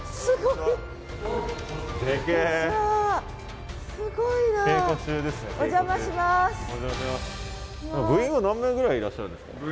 部員は何名ぐらいいらっしゃるんですか？